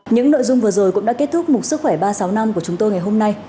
những nội dung vừa rồi cũng đã kết thúc một sức khỏe ba trăm sáu mươi năm của chúng tôi ngày hôm nay